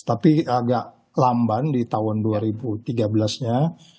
tapi agak lamban di tahun dua ribu tiga belas nya